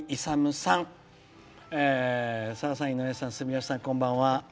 「さださん、井上さん、住吉さんこんばんは。